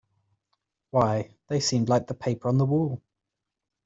Why, they seemed like the paper on the wall.